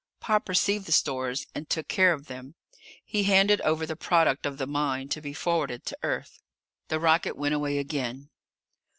Pop received the stores and took care of them. He handed over the product of the mine, to be forwarded to Earth. The rocket went away again.